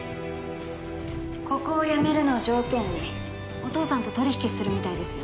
ここを辞めるのを条件にお父さんと取引するみたいですよ。